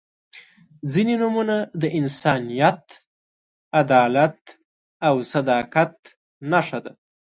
• ځینې نومونه د انسانیت، عدالت او صداقت نښه ده.